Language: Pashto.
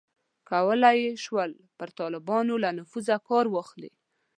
کولای یې شول پر طالبانو له نفوذه کار واخلي.